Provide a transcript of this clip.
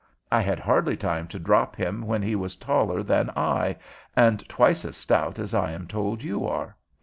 I had hardly time to drop him when he was taller than I, and twice as stout as I am told you are.